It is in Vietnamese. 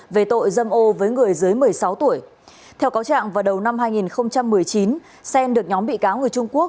về tội dâm ô với người dưới một mươi sáu tuổi theo cáo trạng vào đầu năm hai nghìn một mươi chín sen được nhóm bị cáo người trung quốc